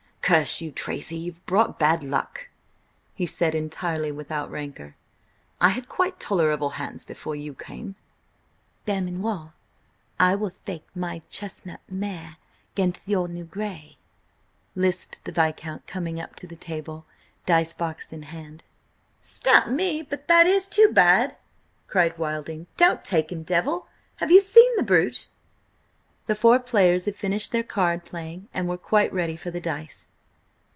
"Curse you, Tracy, you've brought bad luck!" he said entirely without rancour. "I had quite tolerable hands before you came." "Belmanoir, I will thtake my chestnut mare 'gaintht your new grey," lisped the Viscount, coming up to the table, dice box in hand. "Stap me, but that is too bad!" cried Wilding. "Don't take him, Devil! Have you seen the brute?" The four players had finished their card playing and were quite ready for the dice.